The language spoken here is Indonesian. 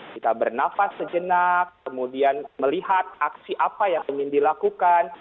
kita bernafas sejenak kemudian melihat aksi apa yang ingin dilakukan